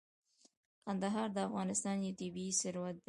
کندهار د افغانستان یو طبعي ثروت دی.